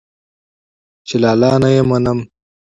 چې لالا نه يې منم.